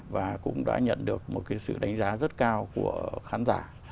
và cũng đã nhận được một cái sự đánh giá rất cao của khán giả